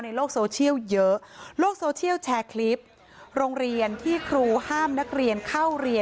เพราะคือเราไม่ได้บอกเลยว่าไม่ได้ให้แต่งชุดอย่างนี้มาเนี่ย